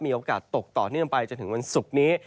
โอกาสตกต่อเนื่องไปจนถึงวันศุกร์นี้